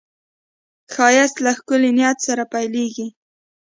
ښایست له ښکلي نیت سره پیلېږي